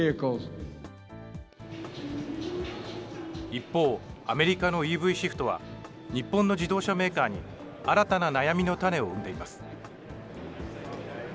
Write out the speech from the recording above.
一方、アメリカのＥＶシフトは日本の自動車メーカーに新たな悩みの種を生んでいます。